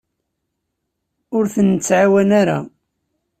Ur ten-nettɛawan ara.